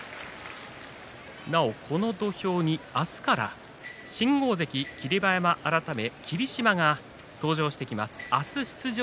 この土俵に明日から新大関霧馬山改め霧島が明日、登場してきます。